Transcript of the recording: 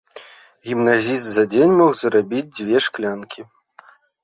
Гімназіст за дзень мог зарабіць дзве шклянкі.